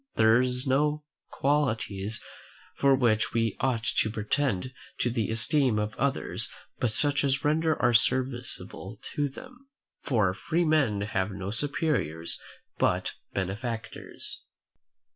There are no qualities for which we ought to pretend to the esteem of others but such as render us serviceable to them: for "free men have no superiors but benefactors."